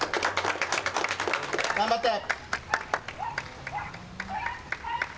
頑張って！